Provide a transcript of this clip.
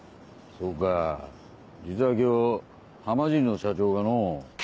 そうか実は今日浜尻の社長がのう。